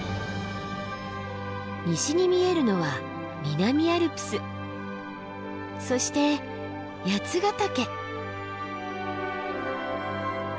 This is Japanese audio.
西に見えるのは南アルプスそして八ヶ岳。